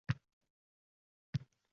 Bo‘lmasa, bo‘lmaydi.